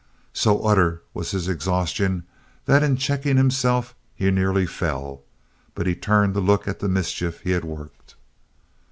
So utter was his exhaustion that in checking himself he nearly fell, but he turned to look at the mischief he had worked.